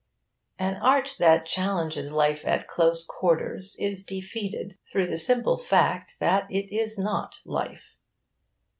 An art that challenges life at close quarters is defeated through the simple fact that it is not life.